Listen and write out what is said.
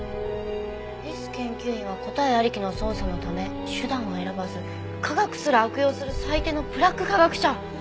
「Ｓ研究員は答えありきの捜査のため手段を選ばず科学すら悪用する最低のブラック科学者」。